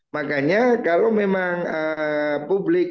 makanya kalau memang publik